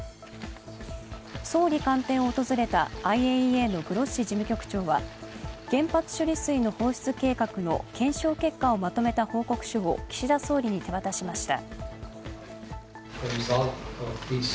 総理官邸を訪れたＩＡＥＡのグロッシ事務局長は原発処理水の放出計画の検証結果をまとめた報告書を岸田総理に手渡しました。